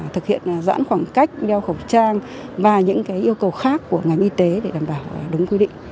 thực hiện giãn khoảng cách đeo khẩu trang và những yêu cầu khác của ngành y tế để đảm bảo đúng quy định